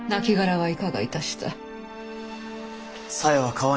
はい。